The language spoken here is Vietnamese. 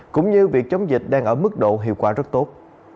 cũng như việc chống dịch đang ở mức độ hiệu quả rất tốt